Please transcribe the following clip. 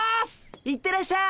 行ってらっしゃい。